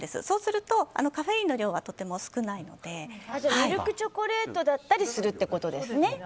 そうすると、カフェインの量はミルクチョコレートだったりするってことですね